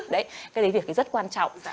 đấy cái đấy việc thì rất quan trọng